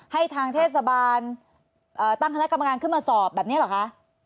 ให้ทางเทศบาลตั้งคณะกรรมการขึ้นมาสอบแบบนี้เหรอคะ